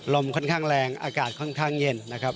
ลมค่อนข้างแรงอากาศค่อนข้างเย็นนะครับ